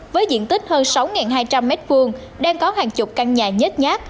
với diện tích hơn sáu hai trăm linh m hai đang có hàng chục căn nhà nhét nhát